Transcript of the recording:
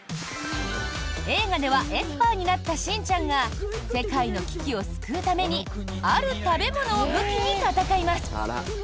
映画ではエスパーになったしんちゃんが世界の危機を救うためにある食べ物を武器に戦います！